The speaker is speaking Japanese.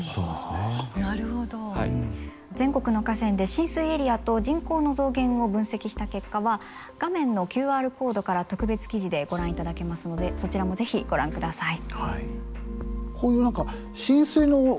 全国の河川で浸水エリアと人口の増減を分析した結果は画面のＱＲコードから特別記事でご覧いただけますのでそちらも是非ご覧ください。